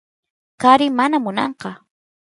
kari mana munanqa